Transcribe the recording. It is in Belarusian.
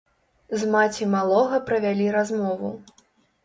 З маці малога правялі размову.